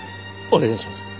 お願いします。